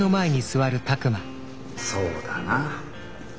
そうだな。